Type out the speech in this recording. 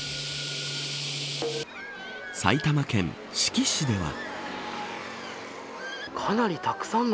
埼玉県志木市では。